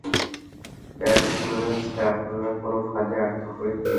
বাগস, মনে হচ্ছে আমরা কোনো ফাঁদে আটকা পড়েছি!